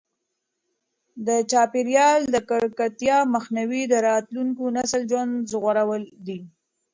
د چاپیریال د ککړتیا مخنیوی د راتلونکي نسل ژوند ژغورل دي.